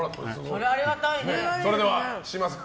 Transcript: それはありがたいね。